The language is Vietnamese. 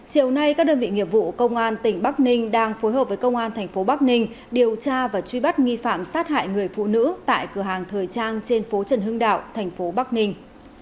chiều nay các đơn vị nghiệp vụ công an tỉnh bắc ninh đang phối hợp với công an thành phố bắc ninh điều tra và truy bắt nghi phạm sát hại người phụ nữ tại cửa hàng thời trang trên phố trần hưng đạo thành phố bắc ninh